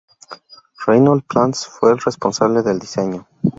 Reinhold Platz fue el responsable del diseño.